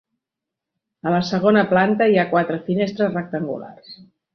A la segona planta hi ha quatre finestres rectangulars.